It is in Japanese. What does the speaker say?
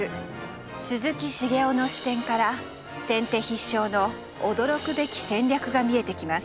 鈴木茂夫の視点から先手必勝の驚くべき戦略が見えてきます。